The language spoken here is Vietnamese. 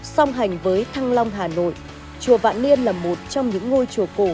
song hành với thăng long hà nội chùa vạn niên là một trong những ngôi chùa cổ